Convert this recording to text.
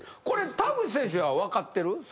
これ田口選手は分かってる？